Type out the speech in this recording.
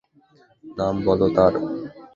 নাম বলো তার।